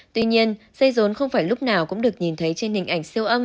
tuy nhiên xây rốn không phải lúc nào cũng được nhìn thấy trên hình ảnh siêu âm